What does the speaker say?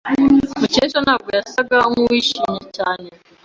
Mukesha ntabwo yasaga nkuwishimye cyane.